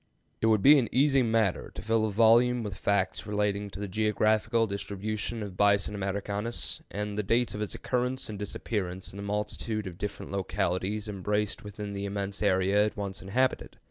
It would be an easy matter to fill a volume with facts relating to the geographical distribution of Bison americanus and the dates of its occurrence and disappearance in the multitude of different localities embraced within the immense area it once inhabited.